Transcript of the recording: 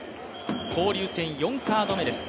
交流戦４カード目です。